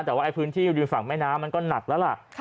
แต่ว่าพื้นที่ริมฝั่งแม่น้ำมันก็หนักแล้วล่ะ